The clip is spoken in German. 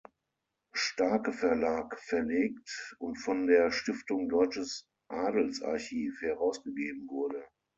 Starke Verlag verlegt und von der Stiftung Deutsches Adelsarchiv herausgegeben wurde.